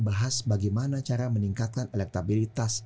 bahas bagaimana cara meningkatkan elektabilitas